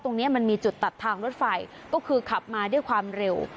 ตรงนี้มันมีจุดตัดทางรถไฟก็คือขับมาด้วยความเร็ว